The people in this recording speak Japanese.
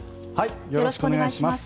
よろしくお願いします。